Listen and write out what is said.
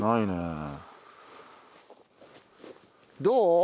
どう？